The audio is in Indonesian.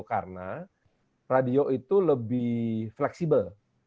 karena radio itu lebih fleksibel